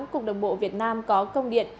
cục đồng bộ việt nam có công điện